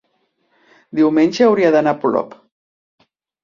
Diumenge hauria d'anar a Polop.